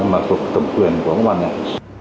mà tổng quyền của cơ quan này